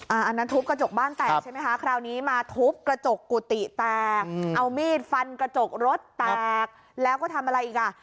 อันนั้นทุบกระจกบ้านแตกใช่ไหมคะคราวนี้มาทุบกระจกกุฏิแตกเอามีดฟันกระจกรถแตกแล้วก็ทำอะไรอีกอ่ะ